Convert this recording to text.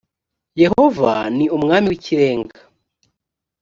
yehova ni umwami w’ ikirenga.